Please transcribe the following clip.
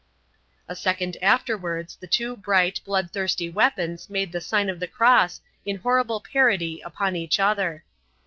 A second afterwards the two bright, blood thirsty weapons made the sign of the cross in horrible parody upon each other.